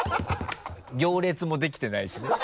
行列もできてないしね。